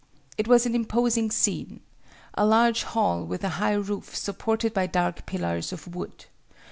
It was an imposing scene. A large hall with a high roof supported by dark pillars of wood.